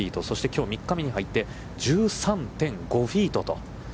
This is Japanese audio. きょう、３日目に入って１３．５フィートと。